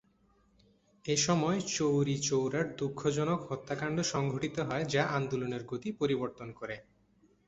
এ সময় চৌরিচৌরার দুঃখজনক হত্যাকান্ড সংঘটিত হয় যা আন্দোলনের গতি পরিবর্তন করে।